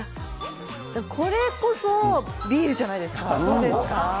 これこそビールじゃないですか、どうですか？